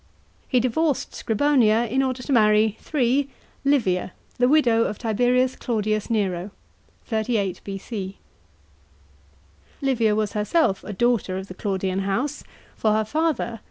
He divorced Scribonia in order to marry (3) Livia, the widow of Tiberius Claudius Nero (38 B.C). Livia was herself a daughter of the Claudian house, for her father, M.